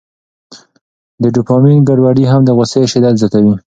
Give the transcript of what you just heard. د ډوپامین ګډوډي هم د غوسې شدت زیاتوي.